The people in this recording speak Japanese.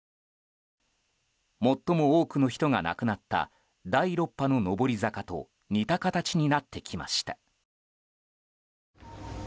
最も多くの人が亡くなった第６波の上り坂と似た形になってきました。